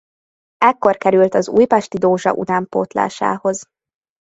Ekkor került az Újpesti Dózsa utánpótlásához.